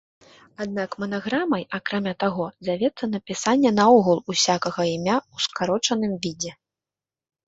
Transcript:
Аднак манаграмай, акрамя таго, завецца напісанне наогул усякага імя ў скарочаным відзе.